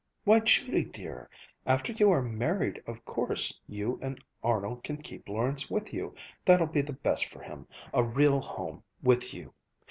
"Why, Judy dear, after you are married of course you and Arnold can keep Lawrence with you. That'll be the best for him, a real home, with you.